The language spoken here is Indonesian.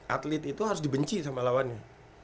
atlet itu harus dibenci sama lawannya